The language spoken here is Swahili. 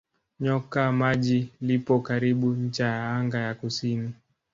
Nyoka Maji lipo karibu ncha ya anga ya kusini.